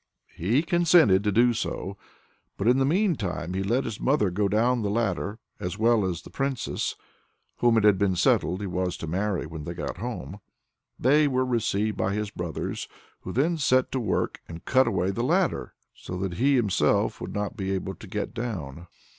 He consented to do so, but in the mean time he let his mother go down the ladder, as well as the Princess whom it had been settled he was to marry when they got home. They were received by his brothers, who then set to work and cut away the ladder, so that he himself would not be able to get down.